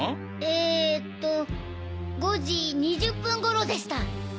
えっと５時２０分頃でした。